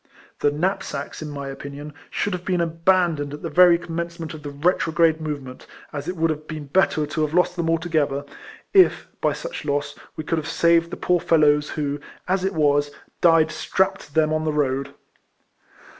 The knapsacks, in my opinion, should have been abandoned 200 RECOLLECTIONS OF at the very cominencement of the retrograde movement, as it would liave been better to have lost them altogether, if, by such loss, we could have saved the poor fellows who, as it was, died strapped to them on the road.